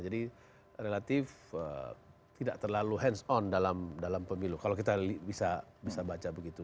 jadi relatif tidak terlalu hands on dalam pemilu kalau kita bisa baca begitu